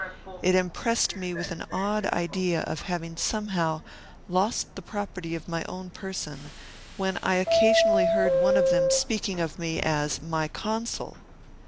It impressed me with an odd idea of having somehow lost the property of my own person, when I occasionally heard one of them speaking of me as "my Consul"!